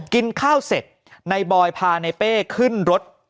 กินข้าวเสร็จนายบอยพาในเป้ขึ้นรถ